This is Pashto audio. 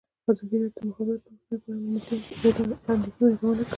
ازادي راډیو د د مخابراتو پرمختګ په اړه د امنیتي اندېښنو یادونه کړې.